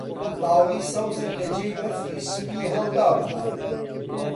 تاوڵی سەوزی لە جێی بەفری سپی هەڵدا بەهار